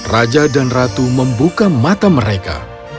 raja dan ratu membuka mata mereka